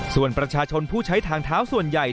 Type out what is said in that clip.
ส่วนประชาชนผู้ใช้ทางเท้าส่วนใหญ่